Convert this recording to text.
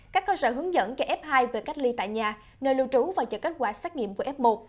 các cơ sở hướng dẫn cho f hai về cách ly tại nhà nơi lưu trú và chờ kết quả xét nghiệm với f một